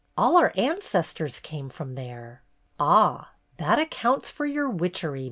All our ancestors came from there." "Ah! That accounts for your witchery.